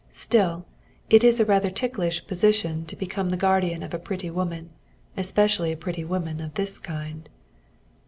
Still, it is a rather ticklish position to become the guardian of a pretty woman, especially a pretty woman of this kind.